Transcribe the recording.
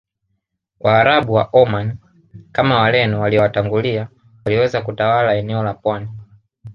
Waarabu wa Omani kama Wareno waliowatangulia waliweza kutawala eneo la pwani